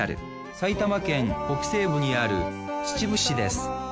埼玉県北西部にある秩父市です